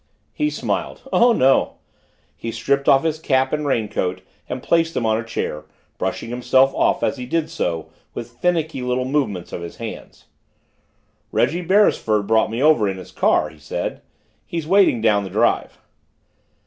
He smiled. "Oh, no." He stripped off his cap and raincoat and placed them on a chair, brushing himself off as he did so with finicky little movements of his hands. "Reggie Beresford brought me over in his car," he said. "He's waiting down the drive."